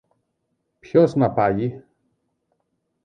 Ποιος να πάγει;